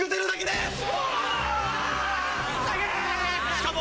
しかも。